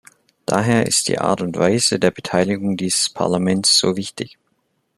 Daher ist die Art und Weise der Beteiligung dieses Parlaments so wichtig.